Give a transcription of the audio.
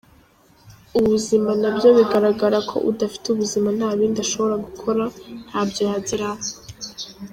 Ubuzima nabyo bigaragara ko udafite ubuzima nta bindi ashobora gukora, ntabyo yageraho.